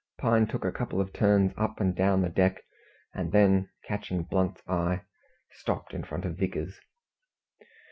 Pine took a couple of turns up and down the deck, and then catching Blunt's eye, stopped in front of Vickers.